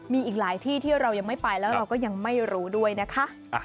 มีอีกหลายที่ที่เรายังไม่ไปแล้วเราก็ยังไม่รู้ด้วยนะคะ